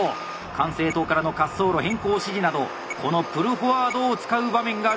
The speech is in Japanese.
管制塔からの滑走路変更指示などこのプルフォワードを使う場面があるそうです。